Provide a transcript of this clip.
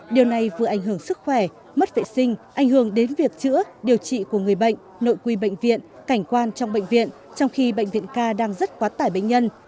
điều này vừa ảnh hưởng sức khỏe mất vệ sinh ảnh hưởng đến việc chữa điều trị của người bệnh nội quy bệnh viện cảnh quan trong bệnh viện trong khi bệnh viện ca đang rất quá tải bệnh nhân